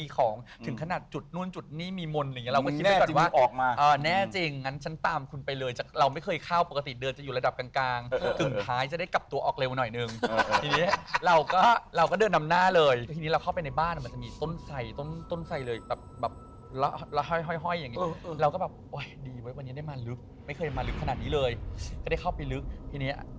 เขาจะทำรายการเขาจะทำสกรูปเขาก็ถามเราเลยบอกว่าเราเคยไปที่นี่